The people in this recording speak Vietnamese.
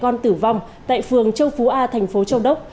con tử vong tại phường châu phú a thành phố châu đốc